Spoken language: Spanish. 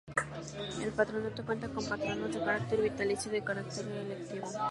El patronato cuenta con patronos de carácter vitalicio y de carácter electivo.